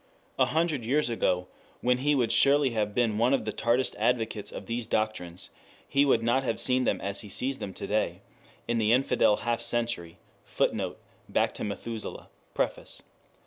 A hundred years ago, when he would surely have been one of the tartest advocates of these doctrines, he would not have seen them as he sees them to day, in the Infidel Half Century, [Footnote: Back to Methuselah. Preface.